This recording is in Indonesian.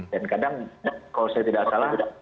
dan kadang kalau saya tidak salah